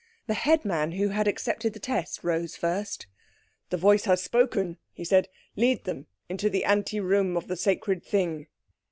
The headman who had accepted the test rose first. "The voice has spoken," he said. "Lead them into the ante room of the sacred thing."